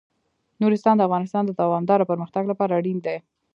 نورستان د افغانستان د دوامداره پرمختګ لپاره اړین دي.